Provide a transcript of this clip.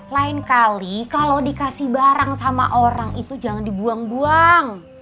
lain kali kalau dikasih barang sama orang itu jangan dibuang buang